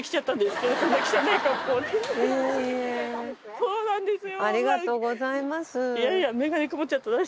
そうなんですよ。